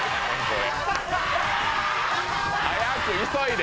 早く、急いで！